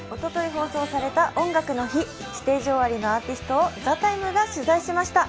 放送された「音楽の日」、ステージ終わりのアーティストを「ＴＨＥＴＩＭＥ，」が取材しました。